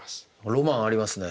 ロマンありますね。